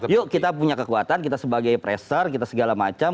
yuk kita punya kekuatan kita sebagai pressure kita segala macam